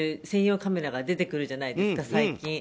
専用カメラが出てくるじゃないですか、最近。